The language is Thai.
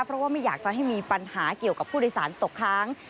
เพราะว่าไม่อยากจะให้มีปัญหาเกี่ยวกับผู้โดยสารตกค้าง